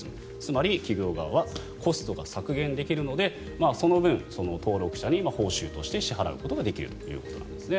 つまり企業側はコストが削減できるのでその分、登録者に報酬を支払うことができるということですね。